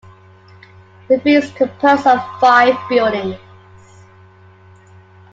The V is composed of five buildings.